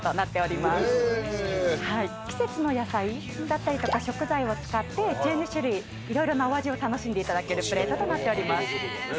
季節の野菜だったりとか食材を使って１２種類色々なお味を楽しんでいただけるプレートとなっております。